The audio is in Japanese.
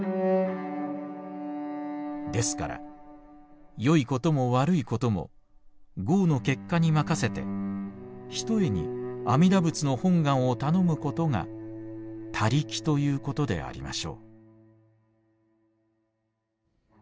「ですからよいことも悪いことも業の結果に任せてひとえに阿弥陀仏の本願をたのむことが他力ということでありましょう」。